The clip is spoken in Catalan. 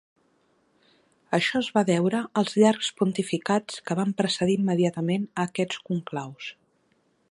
Això es va deure als llargs pontificats que van precedir immediatament a aquests conclaus.